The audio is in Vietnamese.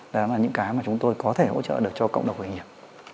đó là những cái mà chúng tôi có thể hỗ trợ được cho cộng đồng khởi nghiệp